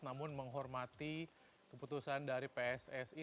namun menghormati keputusan dari pssi